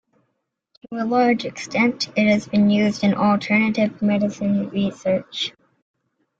To a large extent, It has been used in alternative medicine research.